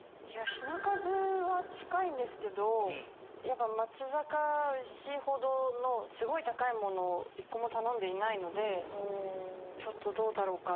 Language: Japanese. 品数は近いんですけど松阪牛ほどのすごい高いものを１個も頼んでいないのでどうだろうか？